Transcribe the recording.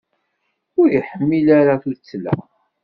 Ur iḥmil ara tuttla.